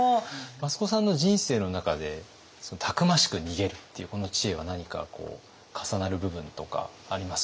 益子さんの人生の中でたくましく逃げるっていうこの知恵は何か重なる部分とかありますか？